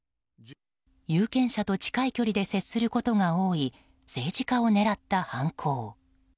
有権者と近い距離で接することが多い政治家を狙った犯行。